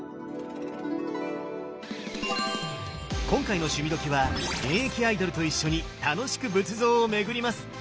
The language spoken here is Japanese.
今回の「趣味どきっ！」は現役アイドルと一緒に楽しく仏像を巡ります！